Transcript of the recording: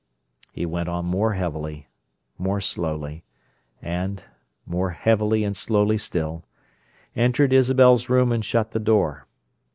He went on more heavily, more slowly; and, more heavily and slowly still, entered Isabel's room and shut the door.